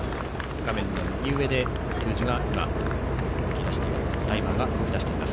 画面の右上でタイマーが動き出しています。